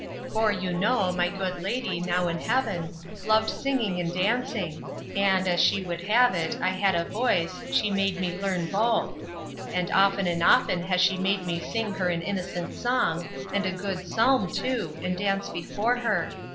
For, you know, my good lady, now in heaven, loved singing and dancing; and, as she would have it, I had a voice, she made me learn both; and often and often has she made me sing her an innocent song, and a good psalm too, and dance before her.